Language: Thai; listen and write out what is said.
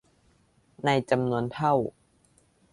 ในจำนวนเท่า